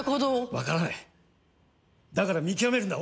分からないだから見極めるんだ